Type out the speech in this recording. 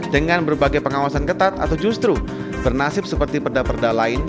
dengan berbagai pengawasan ketat atau justru bernasib seperti perda perda lain